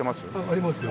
ありますよ。